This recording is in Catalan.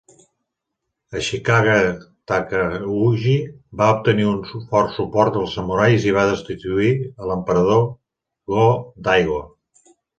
Ashikaga Takauji va obtenir un fort suport dels samurais i va destituir a l'Emperador Go-Daigo.